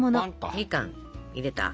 みかん入れた。